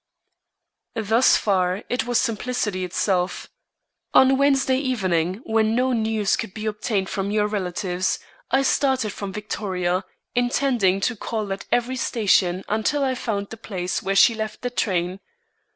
"Thus far, it was simplicity itself. On Wednesday evening when no news could be obtained from your relatives, I started from Victoria, intending to call at every station until I found the place where she left the train.